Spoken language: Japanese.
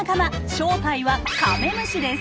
正体はカメムシです！